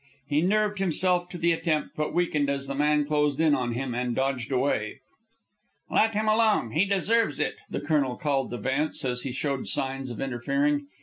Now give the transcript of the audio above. He nerved himself to the attempt, but weakened as the man closed in on him, and dodged away. "Let him alone. He deserves it," the colonel called to Vance as he showed signs of interfering.